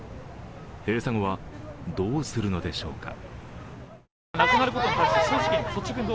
閉鎖後はどうするのでしょうか。